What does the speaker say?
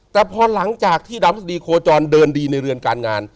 แต่พอหลังจากที่ดาวพฤษฎีโคจรเดินดีในเรือนการงาน